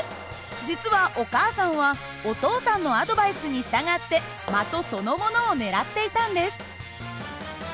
実はお母さんはお父さんのアドバイスに従って的そのものを狙っていたんです。